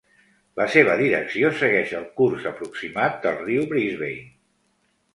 La seva direcció segueix el curs aproximat del riu Brisbane.